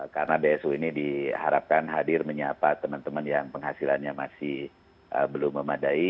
karena bsu ini diharapkan hadir menyapa teman teman yang penghasilannya masih belum memadai